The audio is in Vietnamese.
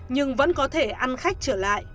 nhưng vẫn có thể ăn khách trở lại